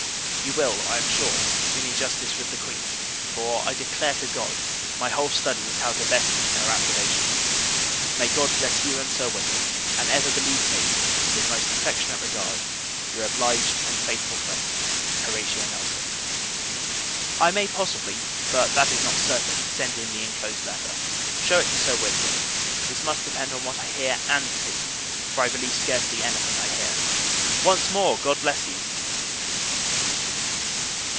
You will, I am sure, do me justice with the Queen; for, I declare to God, my whole study is, how to best meet her approbation. May God bless you and Sir William! and ever believe me, with the most affectionate regard, your obliged and faithful friend, HORATIO NELSON. I may possibly, but that is not certain, send in the inclosed letter. Shew it to Sir William. This must depend on what I hear and see; for I believe scarcely any thing I hear. Once more, God bless you!